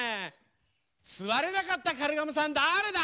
すわれなかったカルガモさんだれだ？